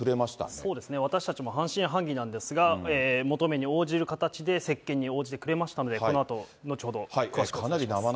そうですね、私たちも半信半疑なんですが、求めに応じる形で、接見に応じてくれましたので、このあと、後ほど詳しくお伝えします。